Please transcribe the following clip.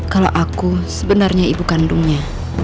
kalau aku sebenarnya ibu kandungnya